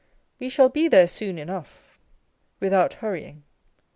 Wo shall be there soon enough, without hurrying.